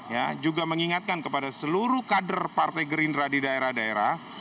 ya juga mengingatkan kepada seluruh kader partai gerindra di daerah daerah